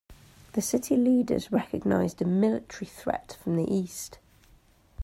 The city leaders recognized a military threat from the east.